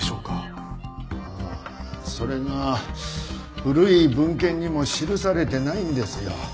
ああそれが古い文献にも記されてないんですよ。